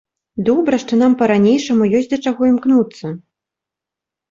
Добра, што нам па-ранейшаму ёсць да чаго імкнуцца.